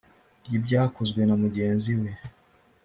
ry ibyakozwe na mugenzi we